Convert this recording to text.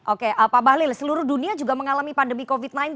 oke pak bahlil seluruh dunia juga mengalami pandemi covid sembilan belas